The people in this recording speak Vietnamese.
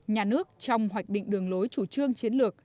nhà nước trong hoạch định đường lối chủ trương chiến lược